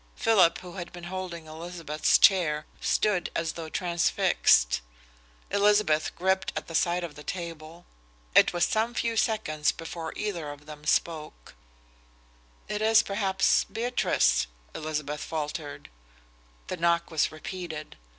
Philip, who had been holding Elizabeth's chair, stood as though transfixed. Elizabeth gripped at the side of the table. It was some few seconds before either of them spoke. "It's perhaps Beatrice," Elizabeth faltered. The knock was repeated.